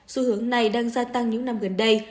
xu hướng này đang gia tăng những năm gần đây